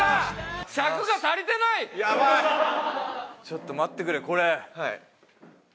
ちょっと待ってくれこれ。